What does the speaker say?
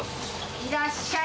いらっしゃい！